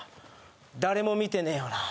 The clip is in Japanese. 誰も見てねえよな